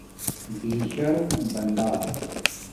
بِشرم بندا